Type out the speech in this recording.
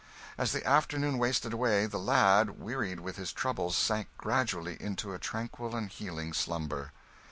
As the afternoon wasted away, the lad, wearied with his troubles, sank gradually into a tranquil and healing slumber.